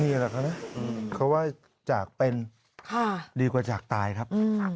นี่แหละครับเขาว่าจากเป็นดีกว่าจากตายครับ